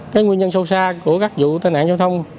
cái nguyên nhân sâu xa của các vụ tai nạn giao thông